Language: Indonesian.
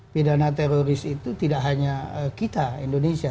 pidana teroris itu tidak hanya kita indonesia